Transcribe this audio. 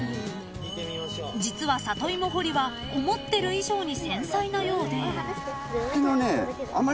［実はサトイモ掘りは思ってる以上に繊細なようで］